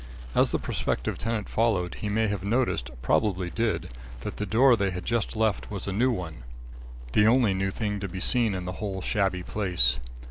As the prospective tenant followed, he may have noticed, probably did, that the door they had just left was a new one the only new thing to be seen in the whole shabby place.